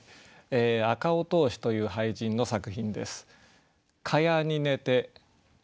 赤尾兜子という俳人の作品です。